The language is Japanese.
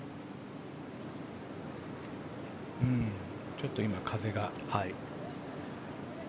ちょっと今、風が。